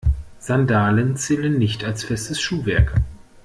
Sandalen zählen nicht als festes Schuhwerk.